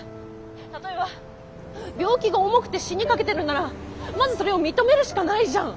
例えば病気が重くて死にかけてるんならまずそれを認めるしかないじゃん。